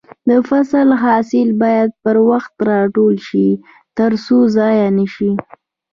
د فصل حاصل باید پر وخت راټول شي ترڅو ضايع نشي.